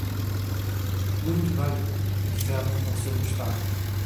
Muito bem, inferno com seu bastardo.